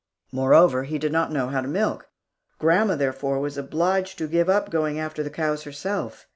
Moreover, he did not know how to milk. Grandma, therefore, was obliged to give up going after the cows herself.